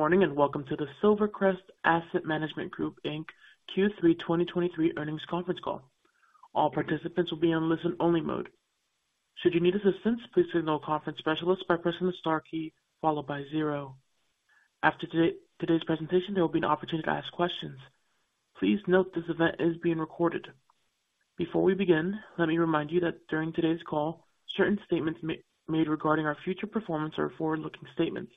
Good morning, and welcome to the Silvercrest Asset Management Group, Inc Q3 2023 earnings conference call. All participants will be on listen-only mode. Should you need assistance, please signal a conference specialist by pressing the star key followed by zero. After today, today's presentation, there will be an opportunity to ask questions. Please note this event is being recorded. Before we begin, let me remind you that during today's call, certain statements made regarding our future performance are forward-looking statements.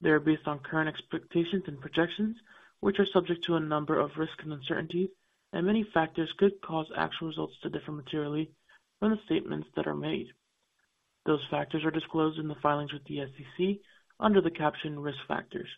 They are based on current expectations and projections, which are subject to a number of risks and uncertainties, and many factors could cause actual results to differ materially from the statements that are made. Those factors are disclosed in the filings with the SEC under the caption Risk Factors.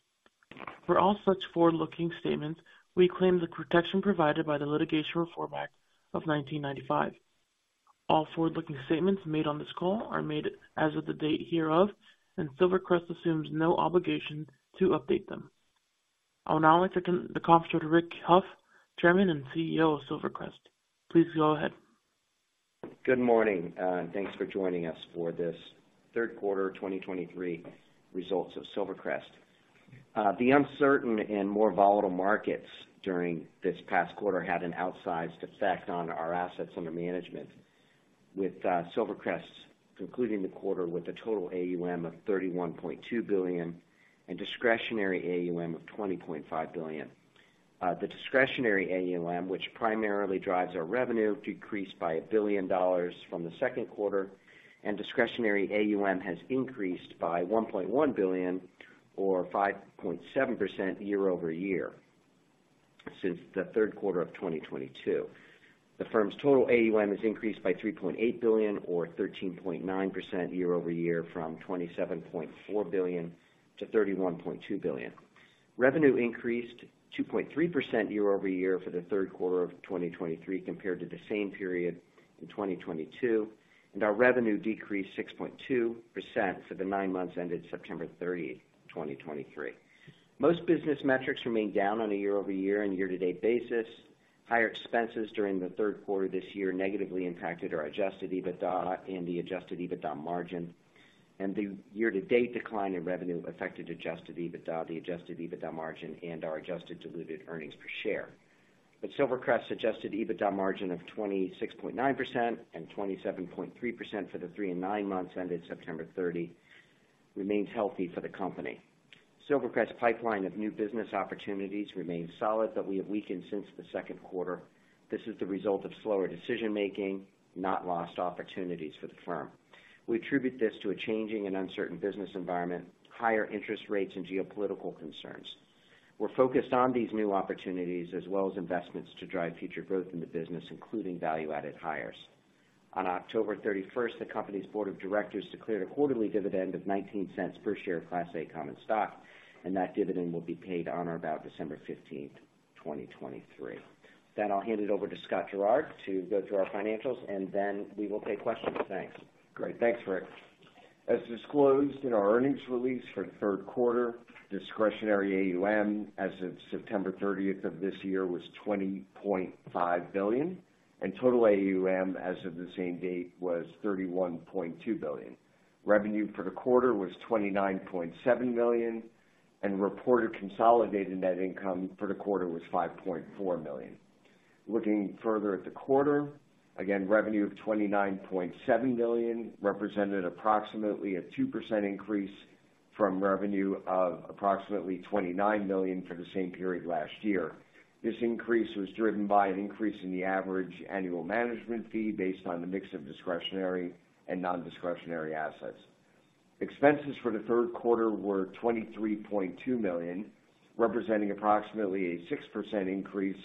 For all such forward-looking statements, we claim the protection provided by the Litigation Reform Act of 1995.All forward-looking statements made on this call are made as of the date hereof, and Silvercrest assumes no obligation to update them. I'll now turn the conference to Rick Hough, Chairman and CEO of Silvercrest. Please go ahead. Good morning, and thanks for joining us for this third quarter 2023 results of Silvercrest. The uncertain and more volatile markets during this past quarter had an outsized effect on our assets under management, with Silvercrest concluding the quarter with a total AUM of $31.2 billion and discretionary AUM of $20.5 billion. The discretionary AUM, which primarily drives our revenue, decreased by $1 billion from the second quarter, and discretionary AUM has increased by $1.1 billion or 5.7% year-over-year since the third quarter of 2022. The firm's total AUM has increased by $3.8 billion or 13.9% year-over-year from $27.4 billion-$31.2 billion. Revenue increased 2.3% year-over-year for the third quarter of 2023 compared to the same period in 2022, and our revenue decreased 6.2% for the nine months ended September 30, 2023. Most business metrics remain down on a year-over-year and year-to-date basis. Higher expenses during the third quarter this year negatively impacted our Adjusted EBITDA and the Adjusted EBITDA margin, and the year-to-date decline in revenue affected Adjusted EBITDA, the Adjusted EBITDA margin, and our Adjusted Diluted Earnings Per Share. But Silvercrest's Adjusted EBITDA margin of 26.9% and 27.3% for the three and nine months ended September 30 remains healthy for the company. Silvercrest's pipeline of new business opportunities remains solid, but we have weakened since the second quarter. This is the result of slower decision-making, not lost opportunities for the firm. We attribute this to a changing and uncertain business environment, higher interest rates, and geopolitical concerns. We're focused on these new opportunities as well as investments to drive future growth in the business, including value-added hires. On October 31st, the company's board of directors declared a quarterly dividend of $0.19 per share of Class A common stock, and that dividend will be paid on or about December 15th, 2023. I'll hand it over to Scott Gerard to go through our financials, and then we will take questions. Thanks. Great. Thanks, Rick. As disclosed in our earnings release for the third quarter, discretionary AUM as of September 30th of this year was $20.5 billion, and total AUM as of the same date was $31.2 billion. Revenue for the quarter was $29.7 million, and reported consolidated net income for the quarter was $5.4 million. Looking further at the quarter, again, revenue of $29.7 billion represented approximately a 2% increase from revenue of approximately $29 million for the same period last year. This increase was driven by an increase in the average annual management fee based on the mix of discretionary and non-discretionary assets. Expenses for the third quarter were $23.2 million, representing approximately a 6% increase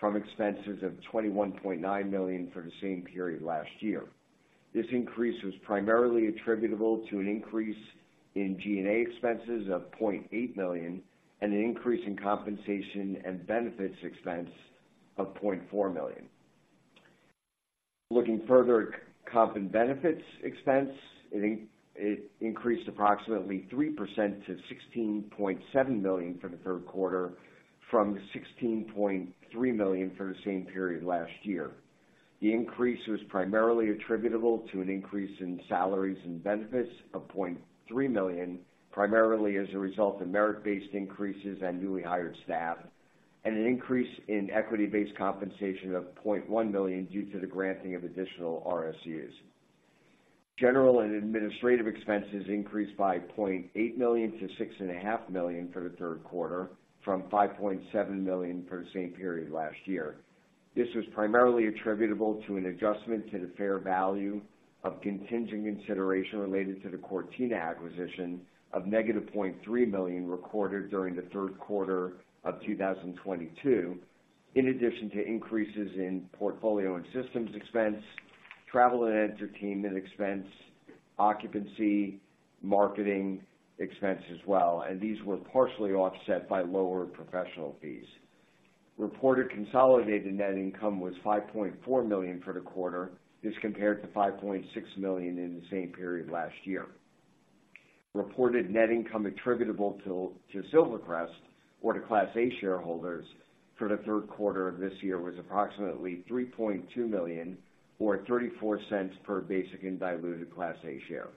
from expenses of $21.9 million for the same period last year. This increase was primarily attributable to an increase in G&A expenses of $0.8 million and an increase in compensation and benefits expense of $0.4 million. Looking further at comp and benefits expense, it increased approximately 3% to $16.7 million for the third quarter from $16.3 million for the same period last year. The increase was primarily attributable to an increase in salaries and benefits of $0.3 million, primarily as a result of merit-based increases and newly hired staff, and an increase in equity-based compensation of $0.1 million due to the granting of additional RSUs. General and administrative expenses increased by $0.8 million-$6.5 million for the third quarter, from $5.7 million for the same period last year. This was primarily attributable to an adjustment to the fair value of contingent consideration related to the Cortina acquisition of -$0.3 million recorded during the third quarter of 2022, in addition to increases in portfolio and systems expense, travel and entertainment expense, occupancy, marketing expense as well, and these were partially offset by lower professional fees. Reported consolidated net income was $5.4 million for the quarter. This compared to $5.6 million in the same period last year. Reported net income attributable to Silvercrest or to Class A shareholders for the third quarter of this year was approximately $3.2 million, or $0.34 per basic and diluted Class A share.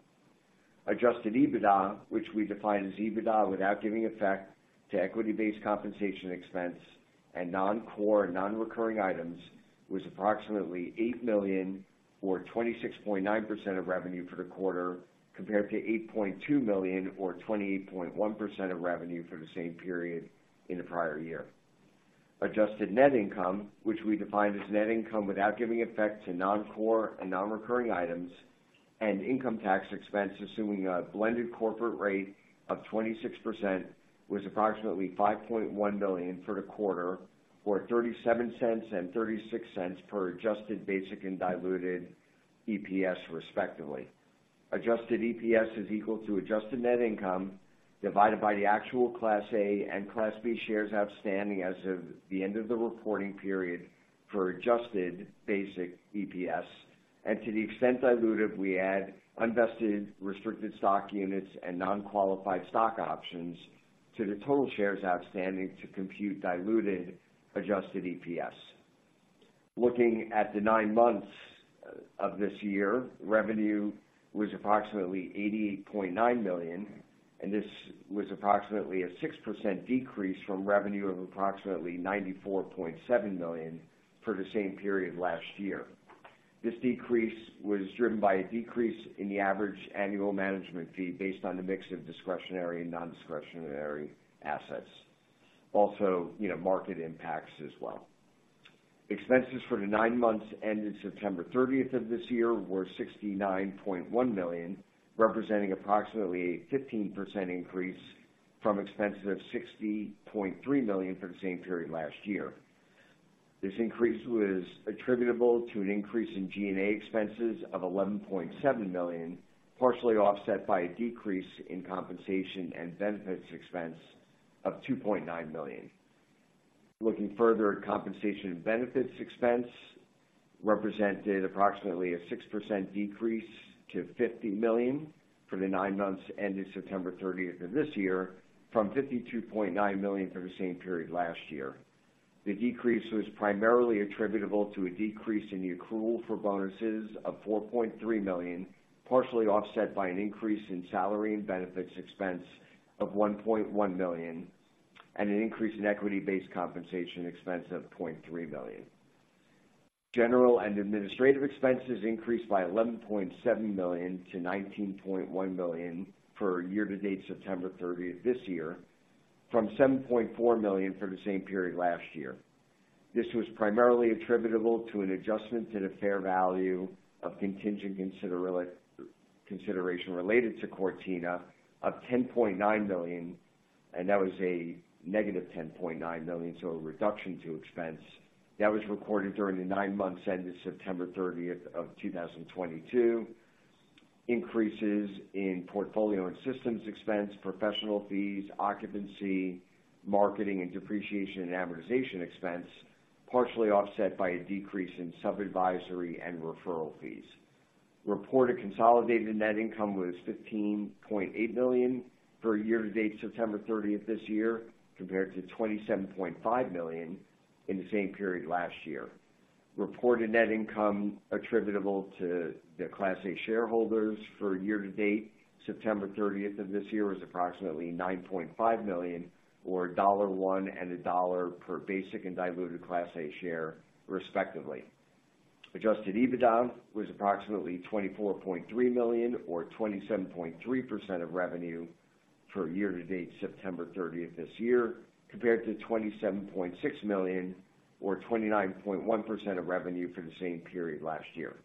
Adjusted EBITDA, which we define as EBITDA without giving effect to equity-based compensation expense and non-core and non-recurring items, was approximately $8 million, or 26.9% of revenue for the quarter, compared to $8.2 million, or 28.1% of revenue for the same period in the prior year. Adjusted net income, which we define as net income without giving effect to non-core and non-recurring items and income tax expense, assuming a blended corporate rate of 26%, was approximately $5.1 million for the quarter, or $0.37 and $0.36 per Adjusted basic and Diluted EPS, respectively. Adjusted EPS is equal to Adjusted Net Income divided by the actual Class A and Class B shares outstanding as of the end of the reporting period for Adjusted basic EPS. To the extent diluted, we add unvested, restricted stock units and non-qualified stock options to the total shares outstanding to compute diluted Adjusted EPS. Looking at the nine months of this year, revenue was approximately $88.9 million, and this was approximately a 6% decrease from revenue of approximately $94.7 million for the same period last year. This decrease was driven by a decrease in the average annual management fee based on the mix of discretionary and non-discretionary assets. Also, you know, market impacts as well. Expenses for the nine months ended September thirtieth of this year were $69.1 million, representing approximately a 15% increase from expenses of $60.3 million for the same period last year. This increase was attributable to an increase in G&A expenses of $11.7 million, partially offset by a decrease in compensation and benefits expense of $2.9 million. Looking further, compensation and benefits expense represented approximately a 6% decrease to $50 million for the nine months ended September thirtieth of this year, from $52.9 million for the same period last year. The decrease was primarily attributable to a decrease in the accrual for bonuses of $4.3 million, partially offset by an increase in salary and benefits expense of $1.1 million and an increase in equity-based compensation expense of $0.3 million. General and administrative expenses increased by $11.7 million to $19.1 million for year-to-date September 30 this year, from $7.4 million for the same period last year. This was primarily attributable to an adjustment in the fair value of contingent consideration related to Cortina of $10.9 million, and that was a negative $10.9 million, so a reduction to expense. That was recorded during the nine months ended September 30 of 2022. Increases in portfolio and systems expense, professional fees, occupancy, marketing, and depreciation and amortization expense, partially offset by a decrease in sub-advisory and referral fees. Reported consolidated net income was $15.8 million for year-to-date September 30 this year, compared to $27.5 million in the same period last year. Reported net income attributable to the Class A shareholders for year-to-date September 30 of this year was approximately $9.5 million, or $1.01 and $1.00 per basic and diluted Class A share, respectively. Adjusted EBITDA was approximately $24.3 million, or 27.3% of revenue for year-to-date September 30 this year, compared to $27.6 million, or 29.1% of revenue for the same period last year.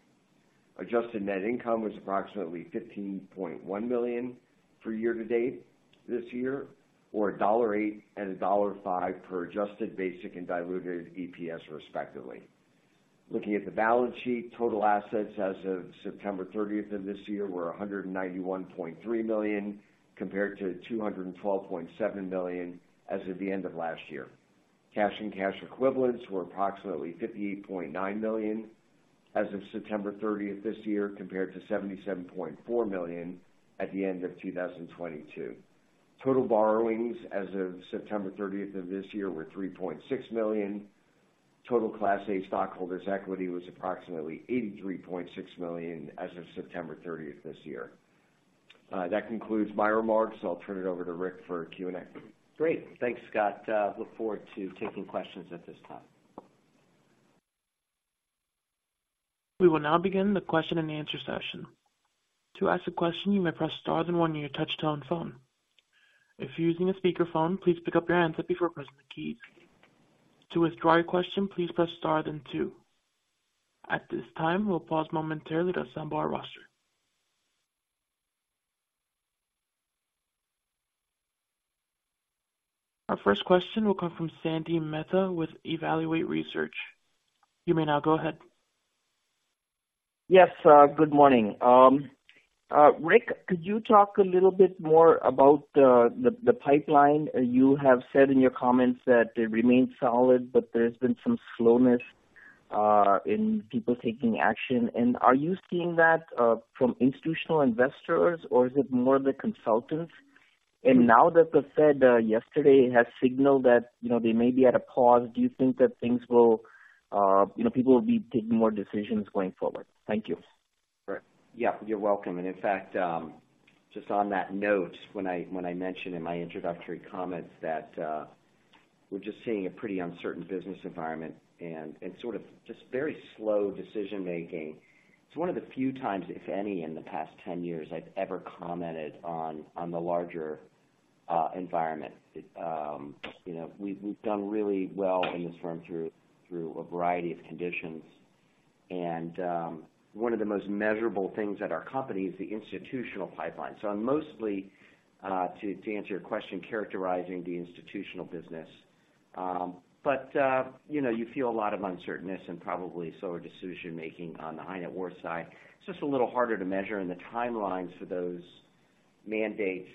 Adjusted net income was approximately $15.1 million for year-to-date this year, or $1.08 and $1.05 per Adjusted basic and diluted EPS, respectively. Looking at the balance sheet, total assets as of September 30 of this year were $191.3 million, compared to $212.7 million as of the end of last year. Cash and cash equivalents were approximately $58.9 million as of September 30 this year, compared to $77.4 million at the end of 2022. Total borrowings as of September 30 this year were $3.6 million. Total Class A stockholders' equity was approximately $83.6 million as of September 30 this year. That concludes my remarks. I'll turn it over to Rick for Q&A. Great! Thanks, Scott. Look forward to taking questions at this time. We will now begin the question-and-answer session. To ask a question, you may press star then one on your touchtone phone. If you're using a speakerphone, please pick up your handset before pressing the keys. To withdraw your question, please press star then two. At this time, we'll pause momentarily to assemble our roster. Our first question will come from Sandy Mehta with Evaluate Research. You may now go ahead. Yes, good morning. Rick, could you talk a little bit more about the pipeline? You have said in your comments that it remains solid, but there's been some slowness in people taking action. Are you seeing that from institutional investors, or is it more the consultants? And now that the Fed yesterday has signaled that, you know, they may be at a pause, do you think that things will, you know, people will be taking more decisions going forward? Thank you. Sure. Yeah, you're welcome. And in fact, just on that note, when I mentioned in my introductory comments that we're just seeing a pretty uncertain business environment and sort of just very slow decision making. It's one of the few times, if any, in the past 10 years, I've ever commented on the larger environment. You know, we've done really well in this firm through a variety of conditions, and one of the most measurable things at our company is the institutional pipeline. So I'm mostly to answer your question, characterizing the institutional business. But you know, you feel a lot of uncertainty and probably slower decision making on the high net worth side. It's just a little harder to measure, and the timelines for those mandates,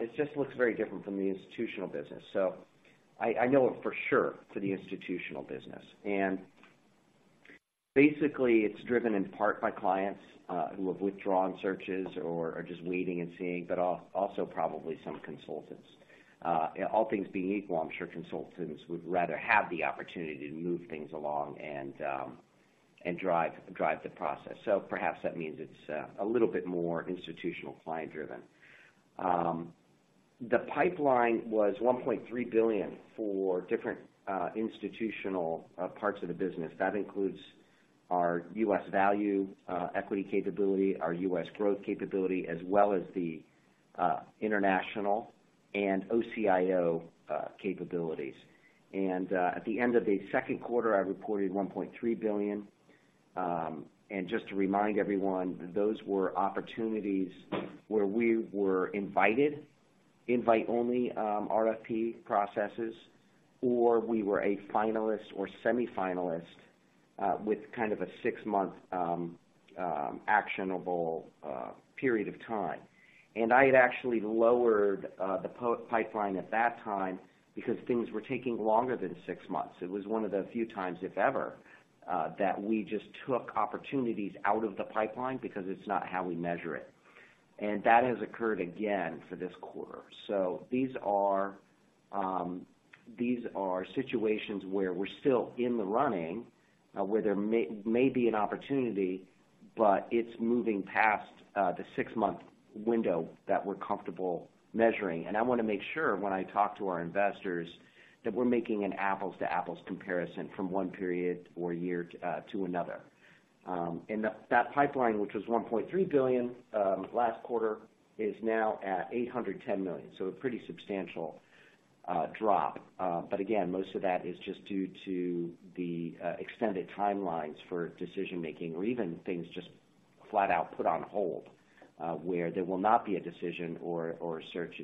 it just looks very different from the institutional business. So I know it for sure for the institutional business. And basically, it's driven in part by clients who have withdrawn searches or are just waiting and seeing, but also probably some consultants. All things being equal, I'm sure consultants would rather have the opportunity to move things along and drive the process. So perhaps that means it's a little bit more institutional client-driven. The pipeline was $1.3 billion for different institutional parts of the business. That includes our U.S. Value Equity capability, our U.S. Growth capability, as well as the international and OCIO capabilities. And at the end of the second quarter, I reported $1.3 billion. And just to remind everyone, those were opportunities where we were invited, invite only, RFP processes, or we were a finalist or semifinalist, with kind of a six-month actionable period of time. And I had actually lowered the pipeline at that time because things were taking longer than six months. It was one of the few times, if ever, that we just took opportunities out of the pipeline because it's not how we measure it. And that has occurred again for this quarter. So these are situations where we're still in the running, where there may be an opportunity, but it's moving past the six-month window that we're comfortable measuring. And I want to make sure when I talk to our investors, that we're making an apples-to-apples comparison from one period or year to another. And that pipeline, which was $1.3 billion last quarter, is now at $810 million, so a pretty substantial drop. But again, most of that is just due to the extended timelines for decision making or even things just flat out put on hold, where there will not be a decision or a search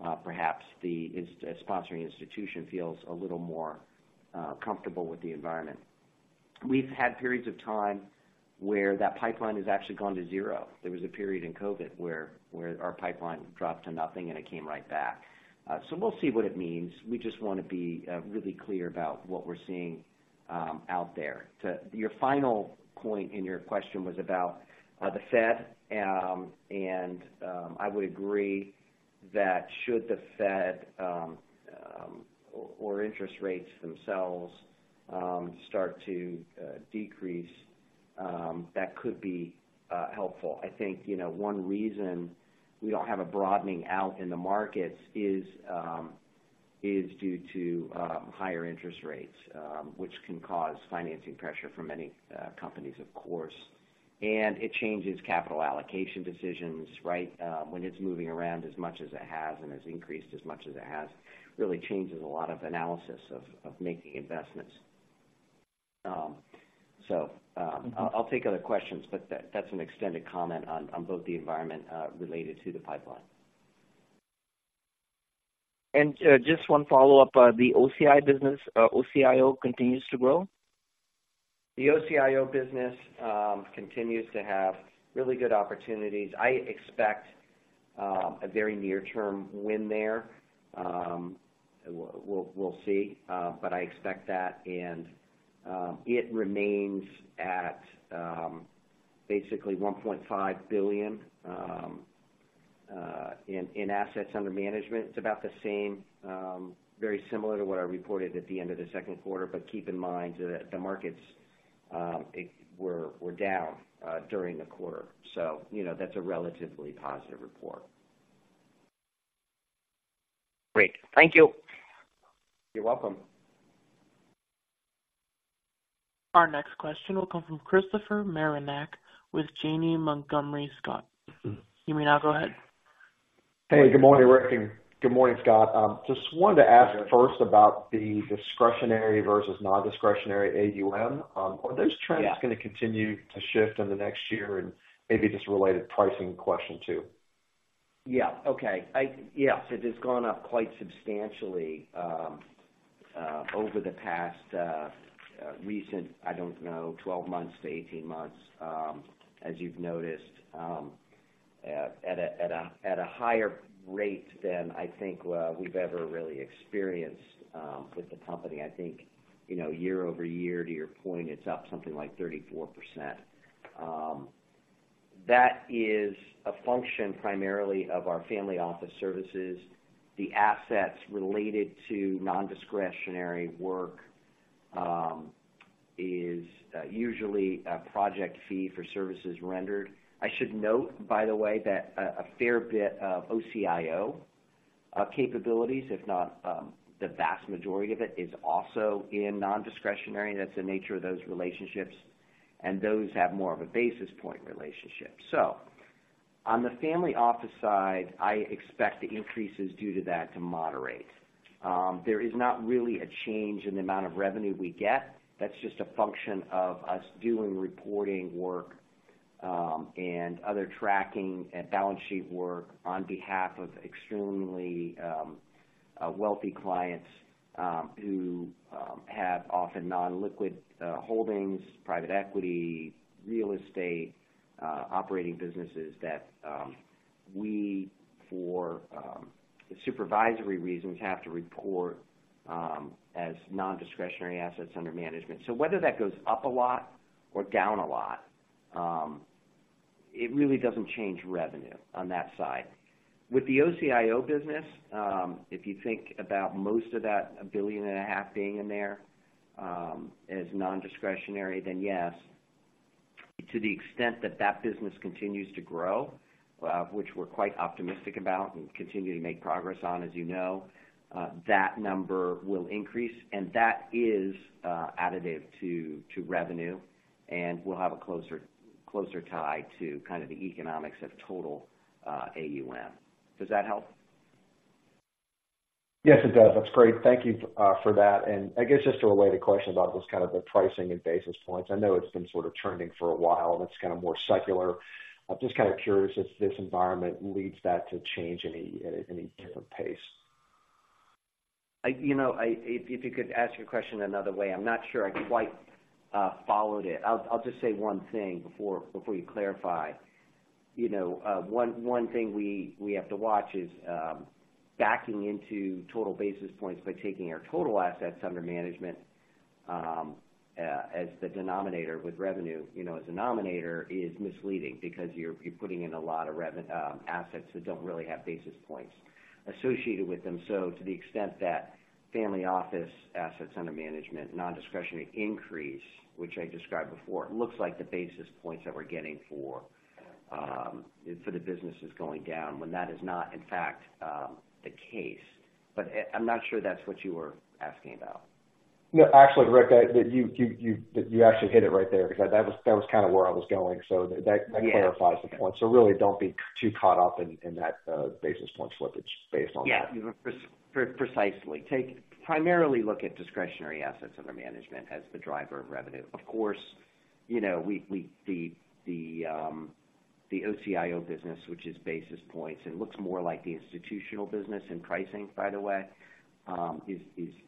until perhaps the sponsoring institution feels a little more comfortable with the environment. We've had periods of time where that pipeline has actually gone to zero. There was a period in COVID, where our pipeline dropped to nothing, and it came right back. So we'll see what it means. We just want to be really clear about what we're seeing out there. To your final point in your question was about the Fed, and I would agree that should the Fed or interest rates themselves start to decrease, that could be helpful. I think, you know, one reason we don't have a broadening out in the markets is due to higher interest rates, which can cause financing pressure for many companies, of course. And it changes capital allocation decisions, right? When it's moving around as much as it has and has increased as much as it has, really changes a lot of analysis of making investments. So, I'll take other questions, but that's an extended comment on both the environment related to the pipeline. Just one follow-up. The OCI business, OCIO, continues to grow? The OCIO business continues to have really good opportunities. I expect a very near-term win there. We'll see, but I expect that, and it remains at basically $1.5 billion in assets under management. It's about the same, very similar to what I reported at the end of the second quarter, but keep in mind that the markets were down during the quarter. So, you know, that's a relatively positive report. Great, thank you. You're welcome. Our next question will come from Christopher Marinac with Janney Montgomery Scott. You may now go ahead. Hey, good morning, Rick. Good morning, Scott. Just wanted to ask first about the discretionary versus non-discretionary AUM. Are those trends- Yeah. gonna continue to shift in the next year? And maybe just a related pricing question, too. Yeah. Okay. I—yes, it has gone up quite substantially over the past recent, I don't know, 12 months to 18 months, as you've noticed, at a higher rate than I think we've ever really experienced with the company. I think, you know, year-over-year, to your point, it's up something like 34%. That is a function primarily of our family office services. The assets related to non-discretionary work is usually a project fee for services rendered. I should note, by the way, that a fair bit of OCIO capabilities, if not the vast majority of it, is also in non-discretionary. That's the nature of those relationships, and those have more of a basis point relationship. So on the family office side, I expect the increases due to that to moderate. There is not really a change in the amount of revenue we get. That's just a function of us doing reporting work, and other tracking and balance sheet work on behalf of extremely wealthy clients, who have often non-liquid holdings, private equity, real estate, operating businesses that we, for supervisory reasons, have to report as non-discretionary assets under management. So whether that goes up a lot or down a lot, it really doesn't change revenue on that side. With the OCIO business, if you think about most of that, $1.5 billion being in there, as non-discretionary, then yes, to the extent that that business continues to grow, which we're quite optimistic about and continue to make progress on, as you know, that number will increase, and that is, additive to, to revenue, and we'll have a closer, closer tie to kind of the economics of total, AUM. Does that help? Yes, it does. That's great. Thank you for that. I guess just a related question about just kind of the pricing and basis points. I know it's been sort of trending for a while, and it's kind of more secular. I'm just kind of curious if this environment leads that to change any, at any different pace? You know, if you could ask your question another way, I'm not sure I quite followed it. I'll just say one thing before you clarify. You know, one thing we have to watch is backing into total basis points by taking our total assets under management as the denominator with revenue, you know, as a numerator, is misleading because you're putting in a lot of assets that don't really have basis points associated with them. So to the extent that family office assets under management, non-discretionary increase, which I described before, it looks like the basis points that we're getting for the business is going down, when that is not, in fact, the case. But I'm not sure that's what you were asking about. No, actually, Rick, you actually hit it right there because that was kind of where I was going. So that- Yeah... that clarifies the point. So really, don't be too caught up in that basis point slippage based on that. Yeah, precisely. Take primarily look at discretionary assets under management as the driver of revenue. Of course, you know, we, the OCIO business, which is basis points and looks more like the institutional business in pricing, by the way,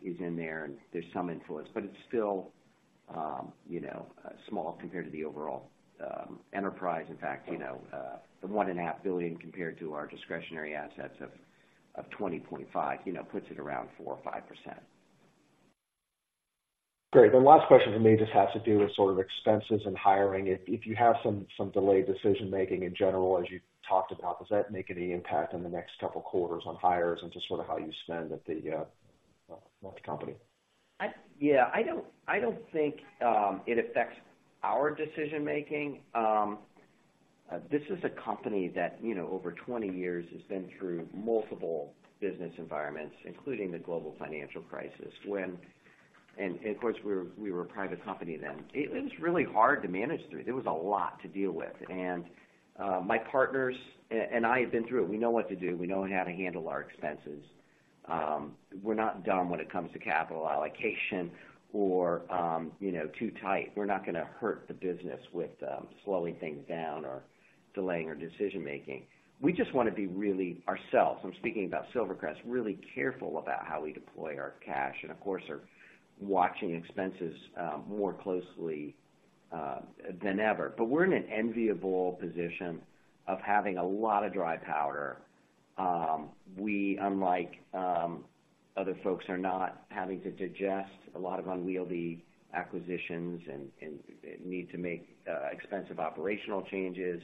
is in there, and there's some influence. But it's still, you know, small compared to the overall enterprise. In fact, you know, the $1.5 billion, compared to our discretionary assets of $20.5 billion, you know, puts it around 4%-5%. Great. The last question from me just has to do with sort of expenses and hiring. If, if you have some, some delayed decision-making in general, as you talked about, does that make any impact in the next couple of quarters on hires and just sort of how you spend at the, well, the company? Yeah, I don't, I don't think it affects our decision-making. This is a company that, you know, over 20 years has been through multiple business environments, including the Global Financial Crisis, when... And of course, we were a private company then. It was really hard to manage through. There was a lot to deal with. And my partners and I have been through it. We know what to do. We know how to handle our expenses. We're not dumb when it comes to capital allocation or, you know, too tight. We're not going to hurt the business with slowing things down or delaying our decision-making. We just want to be really ourselves, I'm speaking about Silvercrest, really careful about how we deploy our cash, and of course, are watching expenses more closely than ever. But we're in an enviable position of having a lot of dry powder. We, unlike other folks, are not having to digest a lot of unwieldy acquisitions and need to make expensive operational changes,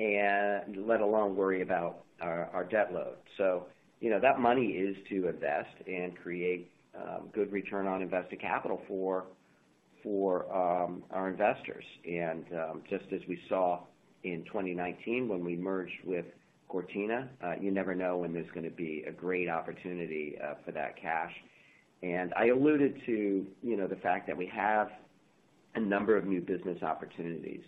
and let alone worry about our debt load. So, you know, that money is to invest and create good return on invested capital for our investors. And just as we saw in 2019 when we merged with Cortina, you never know when there's going to be a great opportunity for that cash. And I alluded to, you know, the fact that we have a number of new business opportunities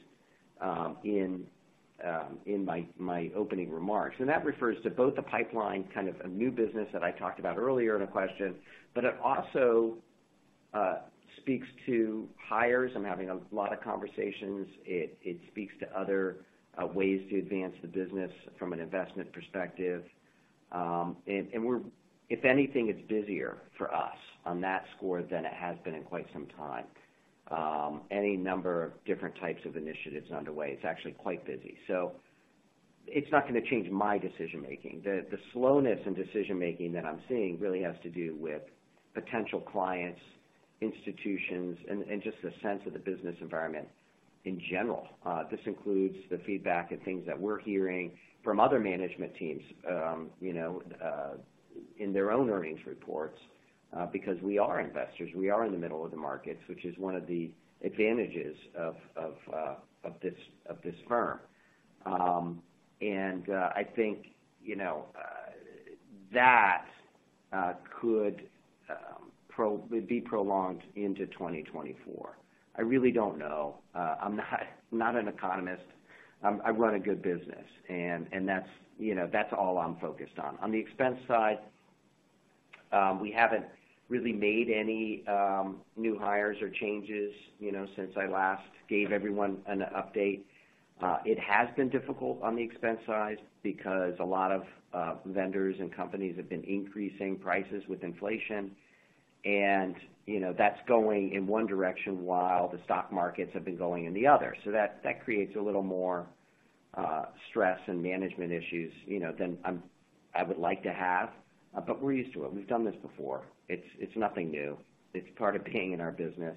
in my opening remarks, and that refers to both the pipeline, kind of a new business that I talked about earlier in a question, but it also speaks to hires. I'm having a lot of conversations. It speaks to other ways to advance the business from an investment perspective. And we're—if anything, it's busier for us on that score than it has been in quite some time. Any number of different types of initiatives underway, it's actually quite busy. So. It's not gonna change my decision making. The slowness in decision making that I'm seeing really has to do with potential clients, institutions, and just the sense of the business environment in general. This includes the feedback and things that we're hearing from other management teams, you know, in their own earnings reports, because we are investors. We are in the middle of the markets, which is one of the advantages of this firm. And, I think, you know, that could probably be prolonged into 2024. I really don't know. I'm not an economist. I run a good business, and that's, you know, that's all I'm focused on. On the expense side, we haven't really made any new hires or changes, you know, since I last gave everyone an update. It has been difficult on the expense side because a lot of vendors and companies have been increasing prices with inflation, and, you know, that's going in one direction, while the stock markets have been going in the other. So that creates a little more stress and management issues, you know, than I would like to have, but we're used to it. We've done this before. It's nothing new. It's part of being in our business.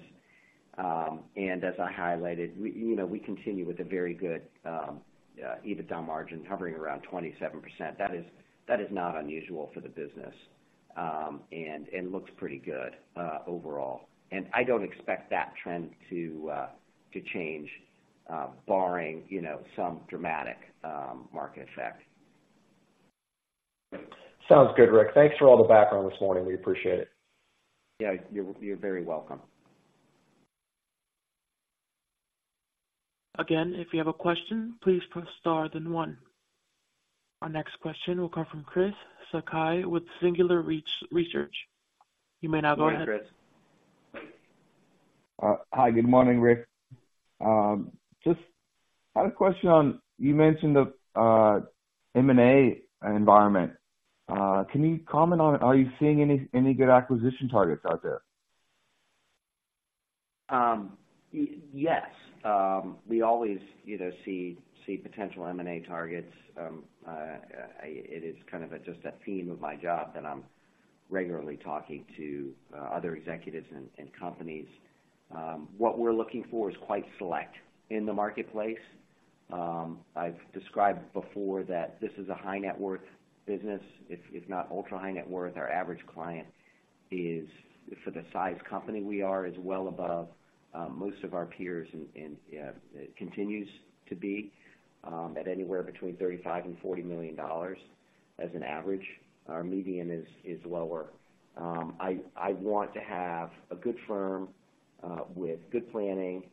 And as I highlighted, we, you know, we continue with a very good EBITDA margin, hovering around 27%. That is, that is not unusual for the business, and it looks pretty good, overall. And I don't expect that trend to, to change, barring, you know, some dramatic market effect. Sounds good, Rick. Thanks for all the background this morning. We appreciate it. Yeah, you're very welcome. Again, if you have a question, please press star, then one. Our next question will come from Chris Sakai with Singular Research. You may now go ahead. Hi, Chris. Hi, good morning, Rick. Just had a question on-- You mentioned the M&A environment. Can you comment on, are you seeing any good acquisition targets out there? Yes. We always, you know, see potential M&A targets. It is kind of just a theme of my job, that I'm regularly talking to other executives and companies. What we're looking for is quite select in the marketplace. I've described before that this is a high net worth business, if not ultra high net worth. Our average client is, for the size company we are, well above most of our peers and continues to be at anywhere between $35 million-$40 million as an average. Our median is lower. I want to have a good firm with good planning,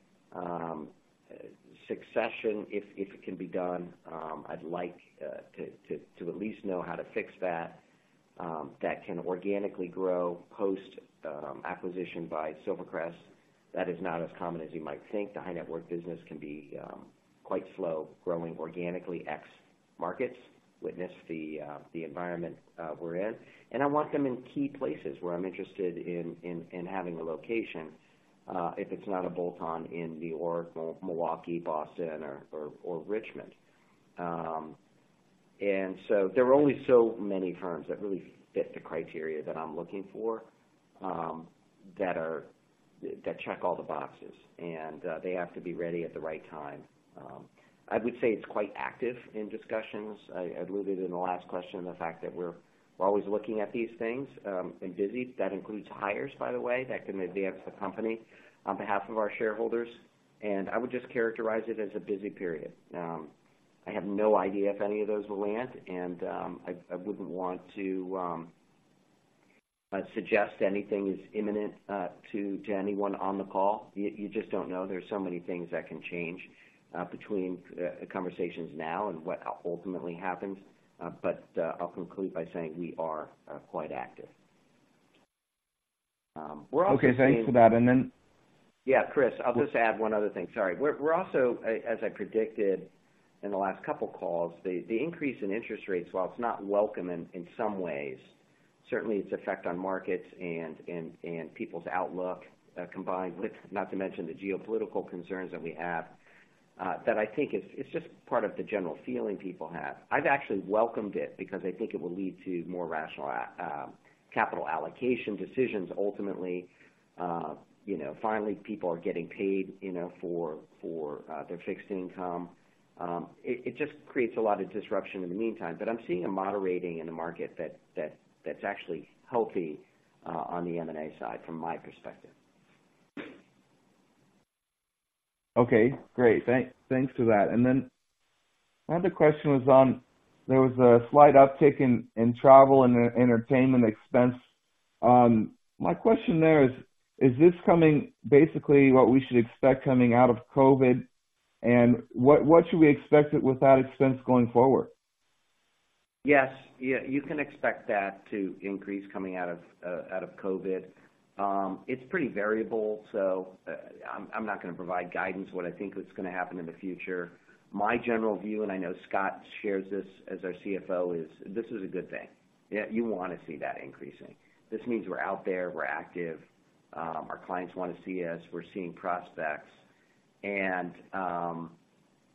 succession, if it can be done. I'd like to at least know how to fix that that can organically grow post acquisition by Silvercrest. That is not as common as you might think. The high net worth business can be quite slow growing organically, ex markets, witness the the environment we're in. And I want them in key places, where I'm interested in having a location, if it's not a bolt-on in New York, or Milwaukee, Boston, or Richmond. And so there are only so many firms that really fit the criteria that I'm looking for, that are... That check all the boxes, and they have to be ready at the right time. I would say it's quite active in discussions. I alluded in the last question, the fact that we're always looking at these things, and busy. That includes hires, by the way, that can advance the company on behalf of our shareholders, and I would just characterize it as a busy period. I have no idea if any of those will land, and I wouldn't want to suggest anything is imminent, to anyone on the call. You just don't know. There's so many things that can change, between conversations now and what ultimately happens. But I'll conclude by saying we are quite active. We're also seeing- Okay, thanks for that. And then- Yeah, Chris, I'll just add one other thing. Sorry. We're also, as I predicted in the last couple of calls, the increase in interest rates, while it's not welcome in some ways, certainly its effect on markets and people's outlook, combined with, not to mention, the geopolitical concerns that we have, that I think it's just part of the general feeling people have. I've actually welcomed it because I think it will lead to more rational capital allocation decisions ultimately. You know, finally, people are getting paid, you know, for their fixed income. It just creates a lot of disruption in the meantime, but I'm seeing a moderating in the market that's actually healthy, on the M&A side, from my perspective. Okay, great. Thanks for that. And then my other question was on... There was a slight uptick in travel and entertainment expense. My question there is, is this coming basically what we should expect coming out of COVID? And what should we expect it with that expense going forward? Yes. Yeah, you can expect that to increase coming out of, out of COVID. It's pretty variable, so, I'm not gonna provide guidance, what I think is gonna happen in the future. My general view, and I know Scott shares this as our CFO, is this is a good thing. Yeah, you wanna see that increasing. This means we're out there, we're active. Our clients want to see us. We're seeing prospects. And,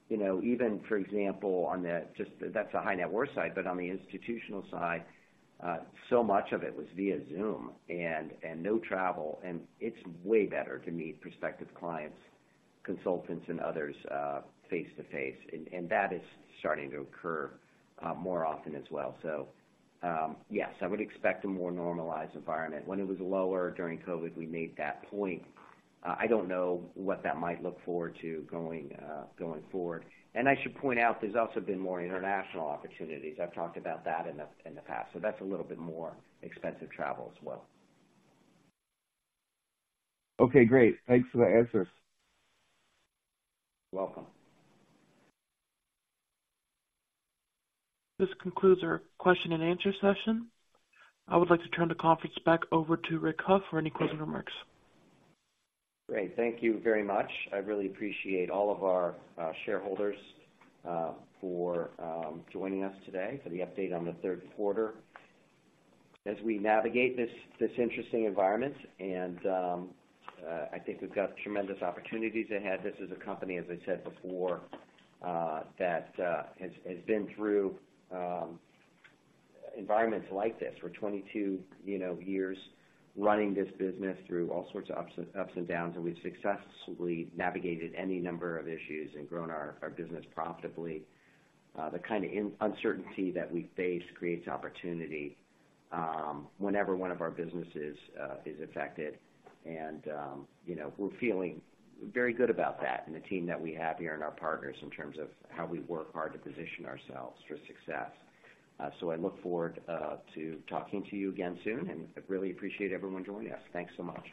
you know, even, for example, on the just that's the high net worth side, but on the institutional side, so much of it was via Zoom and no travel, and it's way better to meet prospective clients, consultants, and others, face-to-face, and that is starting to occur, more often as well. So, yes, I would expect a more normalized environment. When it was lower during COVID, we made that point. I don't know what that might look forward to going, going forward. I should point out, there's also been more international opportunities. I've talked about that in the past, so that's a little bit more expensive travel as well. Okay, great. Thanks for the answers. You're welcome. This concludes our question and answer session. I would like to turn the conference back over to Rick Hough for any closing remarks. Great. Thank you very much. I really appreciate all of our shareholders for joining us today for the update on the third quarter. As we navigate this interesting environment, and I think we've got tremendous opportunities ahead. This is a company, as I said before, that has been through environments like this, for 22, you know, years, running this business through all sorts of ups and downs, and we've successfully navigated any number of issues and grown our business profitably. The kind of uncertainty that we face creates opportunity whenever one of our businesses is affected. You know, we're feeling very good about that, and the team that we have here, and our partners in terms of how we work hard to position ourselves for success. So I look forward to talking to you again soon, and I really appreciate everyone joining us. Thanks so much!